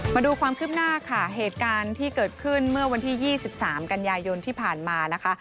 มาดูความคืบหน้าค่ะเหตุการณ์ที่เกิดขึ้นเมื่อวันที่๒๓กันยายนที่ผ่านมานะคะ